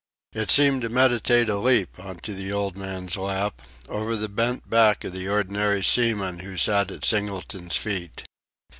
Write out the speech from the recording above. It seemed to meditate a leap on to the old man's lap over the bent back of the ordinary seaman who sat at Singleton's feet.